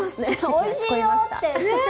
おいしいよって。